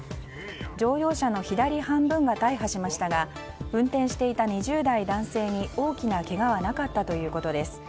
乗用車の左半分が大破しましたが運転していた２０代男性に大きなけがはなかったということです。